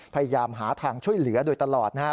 พยายามหาทางช่วยเหลือโดยตลอดนะฮะ